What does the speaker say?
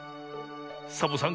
サボさん